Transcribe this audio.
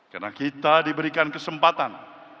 karena kita diberikan kesempatan